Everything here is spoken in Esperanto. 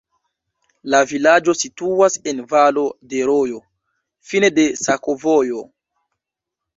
La vilaĝo situas en valo de rojo, fine de sakovojo.